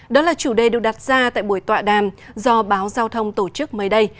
đó là chủ đề được đặt ra tại buổi tọa đàm do báo giao thông tổ chức mới đây